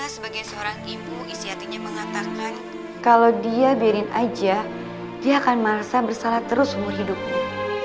karena sebagai seorang ibu isyatinya mengatakan kalau dia biarin aja dia akan merasa bersalah terus umur hidupnya